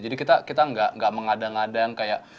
jadi kita gak mengadang adang kayak